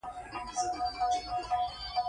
هغه وویل شیدې او کلچې راوړه ځکه مېلمه لرم